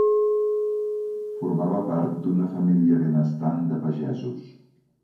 Formava part d'una família benestant de pagesos.